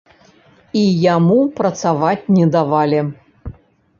І яму працаваць не давалі?